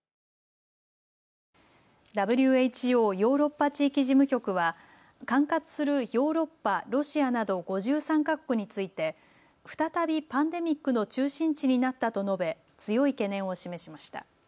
ＷＨＯヨーロッパ地域事務局は管轄するヨーロッパ、ロシアなど５３か国について再びパンデミックの中心地になったと述べ強い懸念を示しました。